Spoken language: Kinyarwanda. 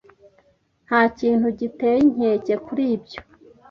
Nta kintu giteye inkeke kuri ibyo.